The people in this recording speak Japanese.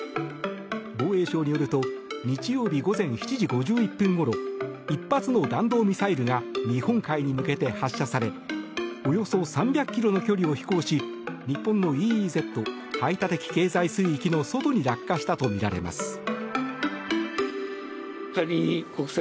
防衛省によると日曜日午前７時５１分ごろ１発の弾道ミサイルが日本海に向けて発射されおよそ３００ｋｍの距離を飛行し日本のＥＥＺ・排他的経済水域の外に落下したとみられます。